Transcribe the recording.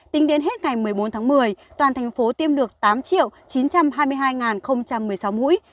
tính đến hết ngày một mươi bốn tháng một mươi toàn thành phố tiêm được tám chín trăm hai mươi hai một mươi sáu mũi